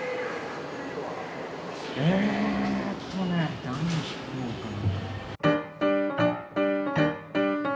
えっとね何弾こうかな。